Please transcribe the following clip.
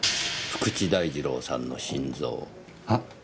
福地大二郎さんの心臓。は？